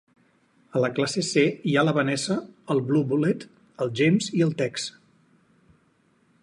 A la classe C hi ha la Vanessa, el Blue Bullet, el James i el Tex.